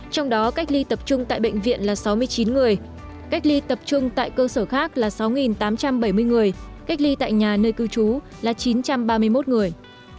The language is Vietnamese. trong đó cách ly tập trung tại bệnh viện là sáu mươi chín người cách ly tập trung tại cơ sở khác là sáu tám trăm bảy mươi người cách ly tại nhà nơi cư trú là chín trăm ba mươi một người